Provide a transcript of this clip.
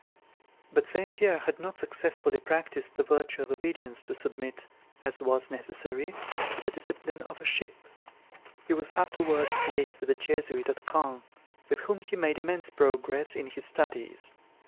But St. Pierre had not sufficiently practised the virtue of obedience to submit, as was necessary, to the discipline of a ship. He was afterwards placed with the Jesuits at Caen, with whom he made immense progress in his studies.